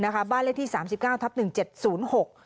บ้านเลขที่สามสิบเก้าทับหนึ่งเจ็ดศูนย์หก